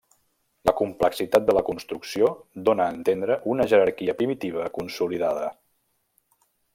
La complexitat de la construcció dóna a entendre una jerarquia primitiva consolidada.